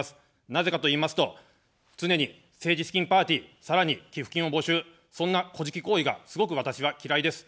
なぜかといいますと、常に政治資金パーティー、さらに寄付金を募集、そんな、こじき行為がすごく私は嫌いです。